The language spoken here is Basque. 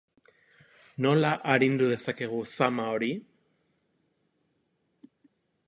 Nola arindu dezakegu zama hori?